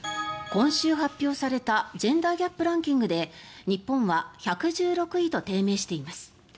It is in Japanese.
今週発表されたジェンダー・ギャップランキングで日本は１１６位と低迷しています。